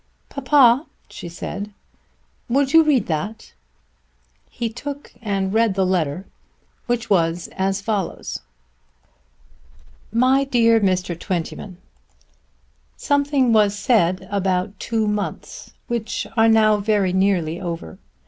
"Papa," she said, "would you read that?" He took and read the letter, which was as follows: MY DEAR MR. TWENTYMAN, Something was said about two months which are now very nearly over.